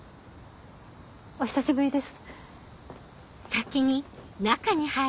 お久しぶりです。